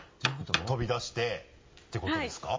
飛び出してってことですか？